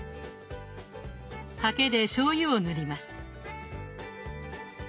ハケでしょうゆを塗ります。